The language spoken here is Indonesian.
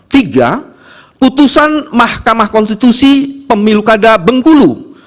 tiga putusan mahkamah konstitusi pemilu kada bengkulu